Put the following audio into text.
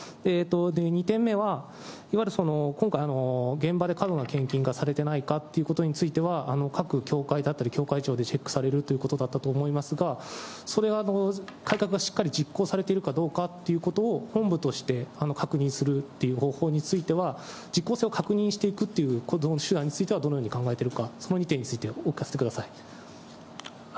２点目は、いわゆる今回、現場で過度な献金がされてないかっていうことについては、各教会だったり、教会長でチェックされるということだったと思いますが、それは改革がしっかり実行されているかどうかということを本部として確認するっていう方向については、実行性を確認していくっていう手段についてはどういうふうに考えているか、その２点についてお聞かせください。